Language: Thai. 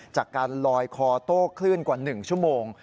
จากการลอยคอโต้คลื่นกว่า๑ชั่วโมง